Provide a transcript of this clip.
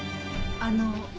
あの。